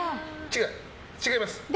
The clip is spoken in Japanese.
違います。